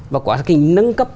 và quá trình nâng cấp